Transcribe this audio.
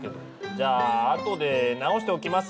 じゃああとで直しておきます。